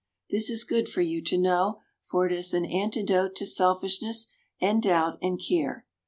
This is good for you to know, for it is an antidote to selfishness and doubt and care.